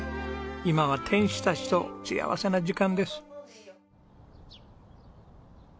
今は天使たちと幸せな時間です。